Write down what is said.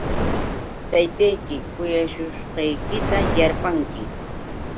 Taytayki kuyashushqaykita yarpanki.